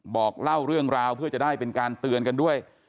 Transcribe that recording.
บอกเล่าเรื่องราวเพื่อจะได้เป็นการเตือนกันด้วย